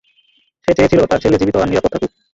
সে চেয়েছিল তার ছেলে জীবিত আর নিরাপদ থাকুক।